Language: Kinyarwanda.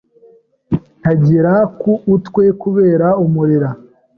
nagira ku utwe kubera umurira